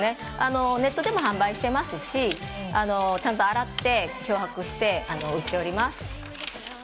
ネットでも販売していますしちゃんと洗って漂白して売っております。